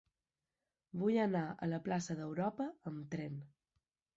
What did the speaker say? Vull anar a la plaça d'Europa amb tren.